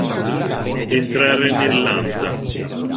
Entrare nell'anta.